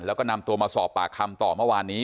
แล้วก็นำตัวมาสอบปากคำต่อเมื่อวานนี้